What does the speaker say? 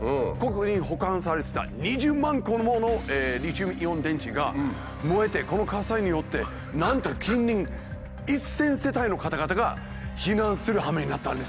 ここに保管されてた２０万個ものリチウムイオン電池が燃えてこの火災によってなんと近隣１，０００世帯の方々が避難するはめになったんですよ。